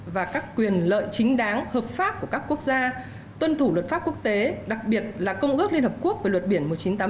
và các quyền lợi chính đáng hợp pháp của các quốc gia tuân thủ luật pháp quốc tế đặc biệt là công ước liên hợp quốc về luật biển một nghìn chín trăm tám mươi hai